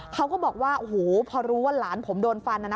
เขาก็บอกว่าพอรู้ว่าหลานผมโดนฟัน